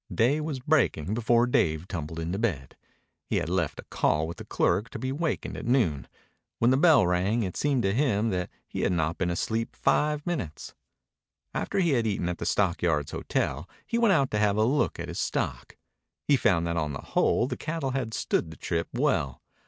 Day was breaking before Dave tumbled into bed. He had left a call with the clerk to be wakened at noon. When the bell rang, it seemed to him that he had not been asleep five minutes. After he had eaten at the stockyards hotel he went out to have a look at his stock. He found that on the whole the cattle had stood the trip well.